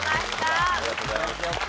ありがとうございます。